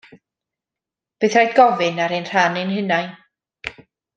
Bydd rhaid gofyn ar ein rhan ein hunain.